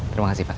terima kasih pak